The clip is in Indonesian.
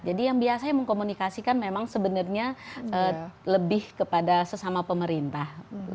jadi yang biasanya mengkomunikasikan memang sebenarnya lebih kepada sesama pemerintah